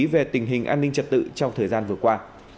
về tình hình an ninh trật tự trong thời gian vừa qua